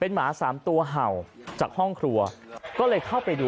เป็นมหาวสามตัวจากห้องครัวก็เลยเข้าไปดู